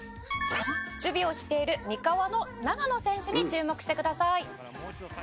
「守備をしている三河の長野選手に注目してください」